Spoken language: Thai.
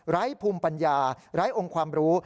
ภูมิปัญญาไร้องค์ความรู้